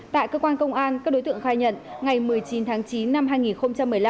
tại cơ quan công an các đối tượng khai nhận ngày một mươi chín tháng chín năm hai nghìn một mươi năm